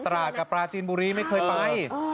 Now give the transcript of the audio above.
ราชกับปราจีนบุรีไม่เคยไป